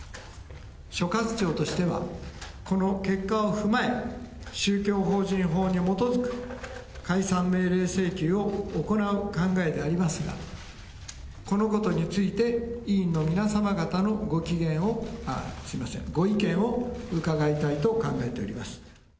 所轄庁としては、この結果を踏まえ、宗教法人法に基づく解散命令請求を行う考えでありますが、このことについて、委員の皆様方のご意見を伺いたいと考えております。